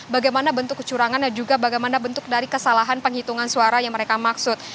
bagaimana bentuk kecurangan dan juga bagaimana bentuk dari kesalahan penghitungan suara yang mereka maksud